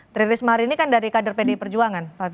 trirismahri ini kan dari kader pdi perjuangan pak firman